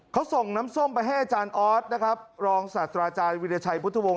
เขาส่งน้ำส้มไปให้อาจารย์ออสนะครับรองศาสตราอาจารย์วิราชัยพุทธวงศ